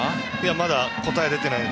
まだ答えは出てないので。